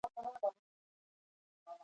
ګوزاره کوله.